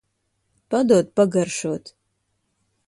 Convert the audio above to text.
Padod pagaršot.